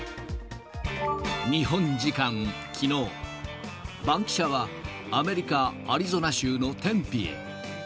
日本時間きのう、バンキシャは、アメリカ・アリゾナ州のテンピへ。